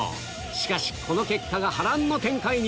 しかしこの結果が波乱の展開に！